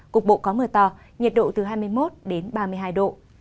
cục bộ có mưa to nhiệt độ từ hai mươi một đến ba mươi hai độ